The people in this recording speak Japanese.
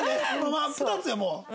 真っ二つよもう。